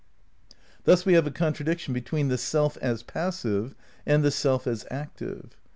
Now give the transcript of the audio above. Thus we have a contra diction between the self as passive and the self as active.